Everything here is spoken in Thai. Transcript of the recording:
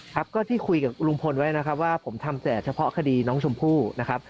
ครับก็ที่คุยกับลุงพลไว้นะครับว่าผมทำแต่เฉพาะคดีน้องชมพู่นะครับ